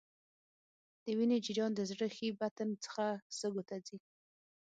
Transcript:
د وینې جریان د زړه ښي بطن څخه سږو ته ځي.